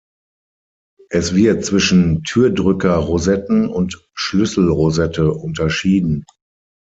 Es wird zwischen Türdrücker-Rosetten und Schlüssel-Rosette unterschieden.